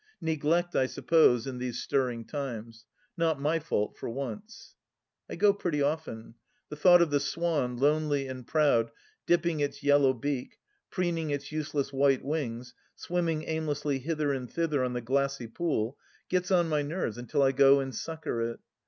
Neglect, I suppose, in these stirring times. Not my fault, for once 1 I go pretty often. The thought of the swan, lonely and proud, dipping its yellow beak, preening its useless white wings, swimming aimlessly hither and thither on the glassy pool, gets on my nerves until I go and succour it.